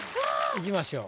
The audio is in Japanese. いきましょう。